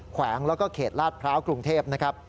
แขวงแล้วก็เขตลาดพร้าวกรุงเทพนะครับ